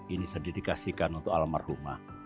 ini saya dedikasikan untuk alam marhumah